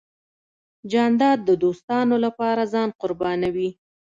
جانداد د دوستانو له پاره ځان قربانوي .